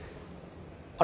あれ？